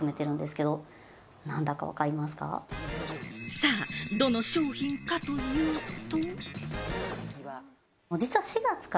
さあ、どの商品かというと。